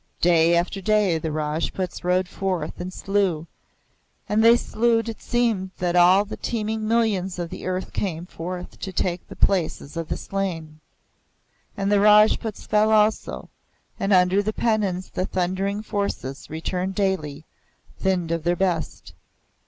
Day after day the Rajputs rode forth and slew; and as they slew it seemed that all the teeming millions of the earth came forth to take the places of the slain. And the Rajputs fell also, and under the pennons the thundering forces returned daily, thinned of their best.